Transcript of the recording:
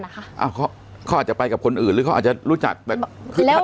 นะคะอ่าเขาเขาอาจจะไปกับคนอื่นหรือเขาอาจจะรู้จักแบบแล้ว